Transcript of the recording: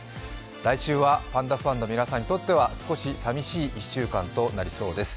来週はパンダファンの皆さんにはとっては少し寂しい１週間となりそうです。